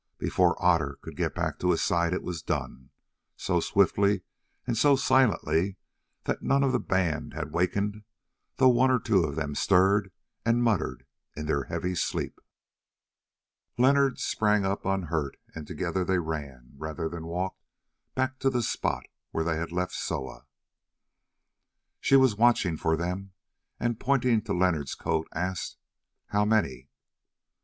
Before Otter could get back to his side it was done—so swiftly and so silently that none of the band had wakened, though one or two of them stirred and muttered in their heavy sleep. Leonard sprang up unhurt, and together they ran, rather than walked, back to the spot where they had left Soa. She was watching for them, and pointing to Leonard's coat, asked "How many?"